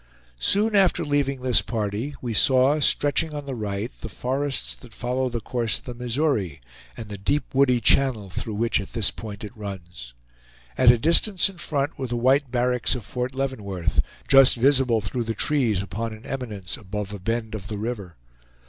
Soon after leaving this party, we saw, stretching on the right, the forests that follow the course of the Missouri, and the deep woody channel through which at this point it runs. At a distance in front were the white barracks of Fort Leavenworth, just visible through the trees upon an eminence above a bend of the river.